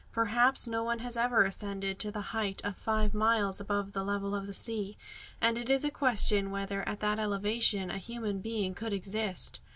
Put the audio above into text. Perhaps no one has ever ascended to the height of five miles above the level of the sea; and it is a question whether at that elevation a human being could exist.